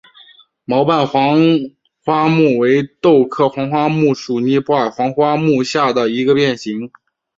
毛瓣黄花木为豆科黄花木属尼泊尔黄花木下的一个变型。